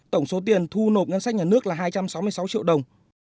tổng số tiền thu nộp ngân sách nhà nước là hai trăm sáu mươi sáu triệu đồng